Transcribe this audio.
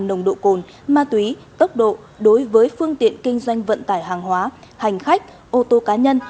nồng độ cồn ma túy tốc độ đối với phương tiện kinh doanh vận tải hàng hóa hành khách ô tô cá nhân